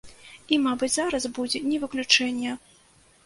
І мабыць зараз будзе не выключэнне.